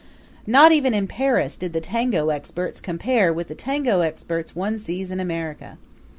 Not even in Paris did the tango experts compare with the tango experts one sees in America.